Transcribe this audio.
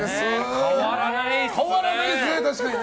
変わらないですね。